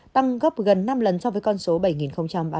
tăng gấp gần năm lần so với con số bảy ba mươi ba